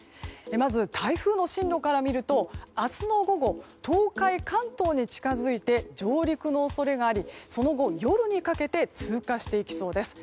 まず台風の進路から見ると明日の午後東海・関東に近づいて上陸の恐れがありその後、夜にかけて通過していきそうです。